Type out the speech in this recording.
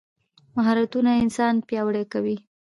مهارتونه انسان پیاوړی کوي.